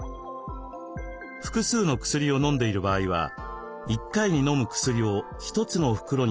複数の薬を飲んでいる場合は１回に飲む薬を１つの袋にまとめる一包化。